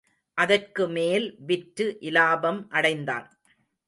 அதற்குமேல் விற்று இலாபம் அடைந்தான்.